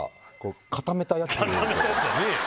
固めたやつじゃねえよ。